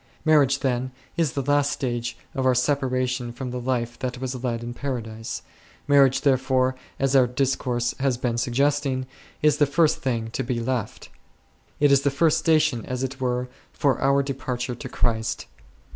Marriage, then, is the last stage of our separation from the life that was led in Paradise ; marriage therefore, as our discourse has been suggesting, is the first thing to be left ; it is the first station as it were for our departure to Christ.